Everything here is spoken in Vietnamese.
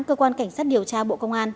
cơ quan cảnh sát điều tra bộ công an